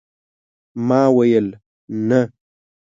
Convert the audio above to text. ما ويل ، نه !